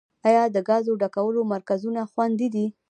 آیا د ګازو ډکولو مرکزونه خوندي دي؟